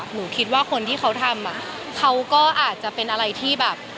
หนูคิดว่าคนที่เขาทำเขาก็อาจจะเป็นอะไรที่แบบ